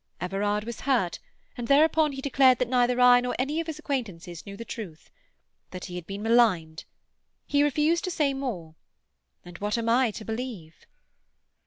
Everard was hurt, and thereupon he declared that neither I nor any other of his acquaintances knew the truth—that he had been maligned. He refused to say more, and what am I to believe?"